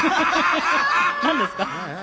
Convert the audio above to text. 何ですか？